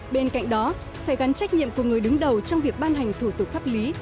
bên cạnh đó phải gắn trách nhiệm của người đứng đầu trong việc ban hành thủ tục pháp lý